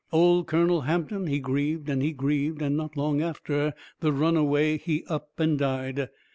Old Colonel Hampton, he grieved and he grieved, and not long after the runaway he up and died.